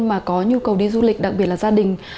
mà có nhu cầu đi du lịch đặc biệt là gia đình